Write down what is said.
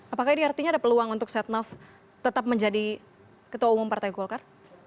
apakah ini artinya ada peluang untuk setnov tetap menjadi ketua umum partai golkar